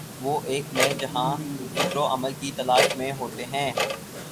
وہ ایک نئے جہان فکر و عمل کی تلاش میں ہوتے ہیں۔